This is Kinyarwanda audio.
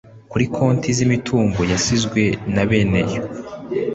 kuri konti z imitungo yasizwe na bene yo